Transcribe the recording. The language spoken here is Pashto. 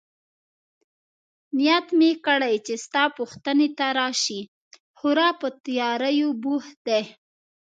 نیت يې کړی چي ستا پوښتنې ته راشي، خورا په تیاریو بوخت دی.